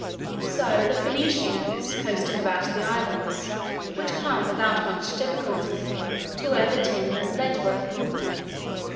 So, the Phœnicians, coasting about the Islands, would come, without much difficulty, to where the tin and lead were.